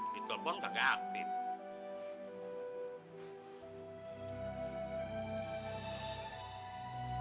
di telepon kagak aktif